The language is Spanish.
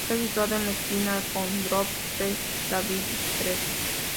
Está situado en la esquina con Brook Street y Davis Street.